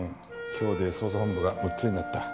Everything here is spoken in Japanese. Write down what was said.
今日で捜査本部が６つになった。